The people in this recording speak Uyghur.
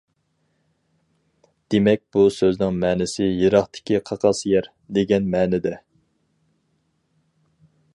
دېمەك بۇ سۆزنىڭ مەنىسى «يىراقتىكى قاقاس يەر» دېگەن مەنىدە.